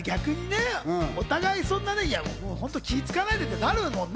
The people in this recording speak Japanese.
逆にね。お互い、気を使わないでってなるもんね。